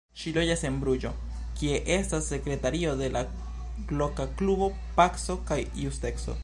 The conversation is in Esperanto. Ŝi loĝas en Bruĝo, kie estas sekretario de la loka klubo Paco kaj Justeco.